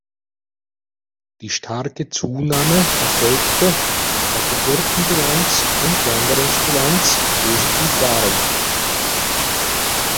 Die starke Zunahme erfolgte, da Geburtenbilanz und Wanderungsbilanz positiv waren.